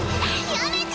やめて！！